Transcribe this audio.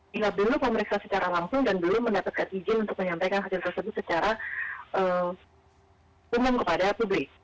bila belum memeriksa secara langsung dan belum mendapatkan izin untuk menyampaikan hasil tersebut secara umum kepada publik